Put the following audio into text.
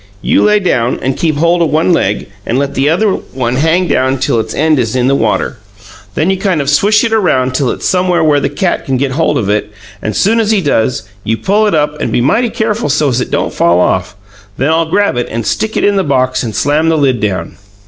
You lay down and keep hold of one leg, and let the other one hang down till its end is in the water. Then you kind of swish it around till it's somewheres where the cat can get hold of it, and soon as he does, you pull it up, and be mighty careful so's it don't fall off. Then I'll grab it and stick it in the box and slam the lid down."